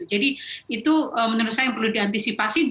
jadi itu menurut saya yang perlu diantisipasi